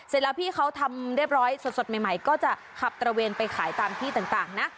เสร็จแล้วพี่เขาทำเรียบร้อยสดใหม่ก็จะขับตระเวนไปขายตามที่ต่างนะ